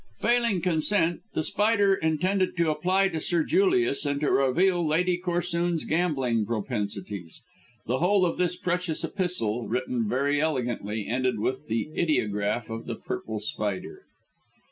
Failing consent, The Spider intended to apply to Sir Julius and to reveal Lady Corsoon's gambling propensities. The whole of this precious epistle, written very elegantly, ended with the ideograph of the purple spider.